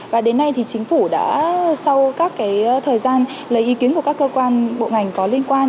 và đến nay thì chính phủ đã sau các thời gian lấy ý kiến của các cơ quan bộ ngành có liên quan